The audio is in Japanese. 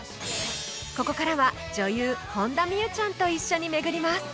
ここからは女優本田望結ちゃんと一緒に巡ります